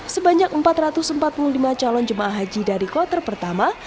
sebanyak empat ratus empat puluh lima calon jemaah haji dari kloter pertama